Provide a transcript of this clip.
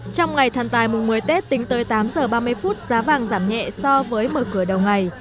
trong ngày thần tài mùng một mươi tết tính tới tám h ba mươi phút giá vàng giảm nhẹ so với mở cửa đầu ngày